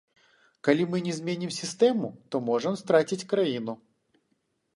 Калі мы не зменім сістэму, то можам страціць краіну.